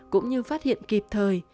cũng như phát hiện kịp thời